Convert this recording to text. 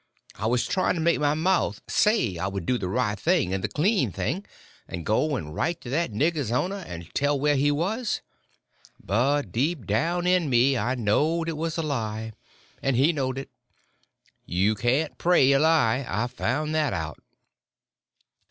I was trying to make my mouth say I would do the right thing and the clean thing, and go and write to that nigger's owner and tell where he was; but deep down in me I knowed it was a lie, and He knowed it. You can't pray a lie—I found that out.